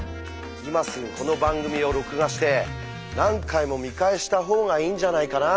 今すぐこの番組を録画して何回も見返した方がいいんじゃないかな。